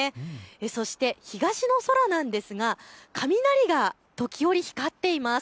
そして東の空なんですが雷が時折光っています。